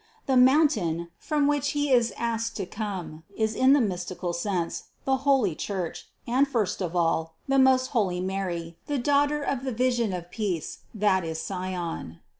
The mountain, from which He is asked to come, is in the mystical sense, the holy Church and first of all, the most holy Mary, the Daughter of the vision of peace, that is Sion.